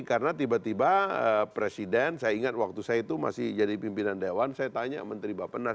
karena tiba tiba presiden saya ingat waktu saya itu masih jadi pimpinan dewan saya tanya menteri bapak